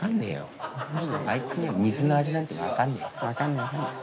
あいつには水の味なんて分かんねえよ。